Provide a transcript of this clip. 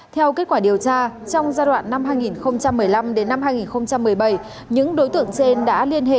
theo kết quả điều tra trong giai đoạn năm hai nghìn một mươi năm đến năm hai nghìn một mươi bảy những đối tượng trên đã liên hệ